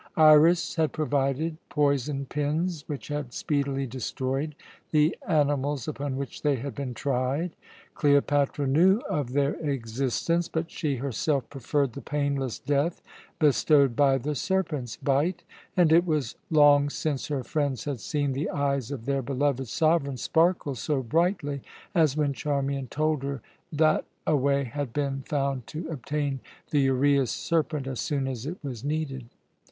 Iras had provided poisoned pins which had speedily destroyed the animals upon which they had been tried. Cleopatra knew of their existence, but she herself preferred the painless death bestowed by the serpent's bite, and it was long since her friends had seen the eyes of their beloved sovereign sparkle so brightly as when Charmian told her that away had been found to obtain the uræus serpent as soon as it was needed.